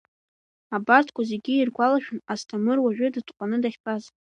Абарҭқәа зегьы игәалашәон Асҭамыр уажәы, дыҭҟәаны дахьтәаз.